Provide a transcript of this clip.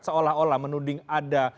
seolah olah menuding ada